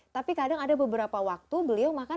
tapi kadang ada beberapa waktu beliau makan